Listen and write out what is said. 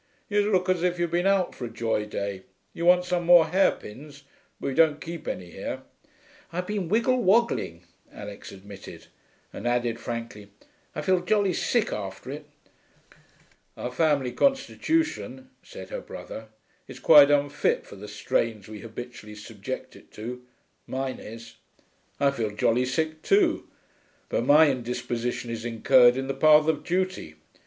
'You look as if you'd been out for a joy day. You want some more hairpins, but we don't keep any here.' 'I've been wiggle woggling,' Alix admitted, and added frankly, 'I feel jolly sick after it.' 'Our family constitution,' said her brother, 'is quite unfit for the strains we habitually subject it to. Mine is. I feel jolly sick too. But my indisposition is incurred in the path of duty.